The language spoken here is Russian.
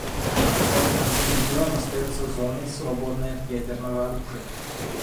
Тихоокеанский регион остается зоной, свободной от ядерного оружия.